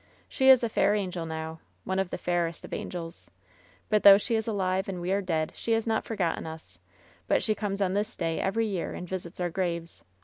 She is a fair angel now — one of the fairest of angels. But though she is alive and we are dead, she has not f oi^tten us ; but she comes on this day every year and visits our graves.